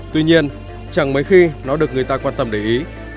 tuy nhiên chẳng mấy khi nó được người ta quan tâm để ý